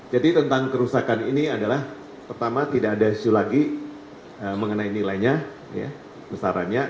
jadi tentang kerusakan ini adalah pertama tidak ada syu lagi mengenai nilainya